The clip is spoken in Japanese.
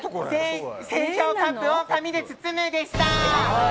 ・製氷カップを紙で包む出した。